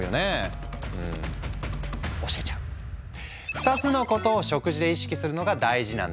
２つのことを食事で意識するのが大事なんだ。